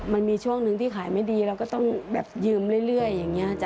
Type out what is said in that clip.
มันมีช่วงหนึ่งที่ขายไม่ดีเราก็ต้องยืมเรื่อย